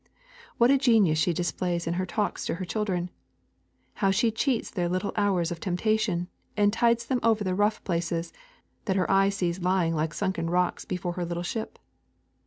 What a genius she displays in her talks to her children! How she cheats their little hours of temptation, and tides them over the rough places that her eye sees lying like sunken rocks before her little ship!